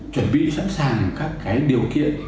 chuẩn bị sẵn sàng các điều kiện